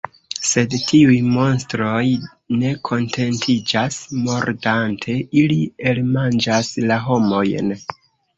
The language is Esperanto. Sed tiuj monstroj ne kontentiĝas mordante, ili elmanĝas la homojn!